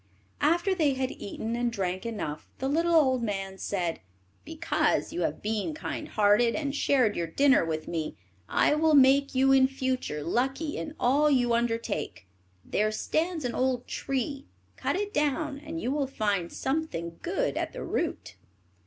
After they had eaten and drank enough, the little old man said: "Because you have been kind hearted, and shared your dinner with me, I will make you in future lucky in all you undertake. There stands an old tree; cut it down, and you will find something good at the root."